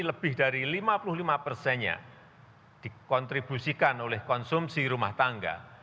seharusnya dikontribusikan oleh konsumsi rumah tangga